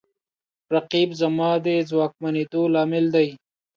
رقیب زما د ځواکمنېدو لامل دی